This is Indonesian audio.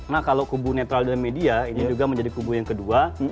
nah kalau kubu netral dan media ini juga menjadi kubu yang kedua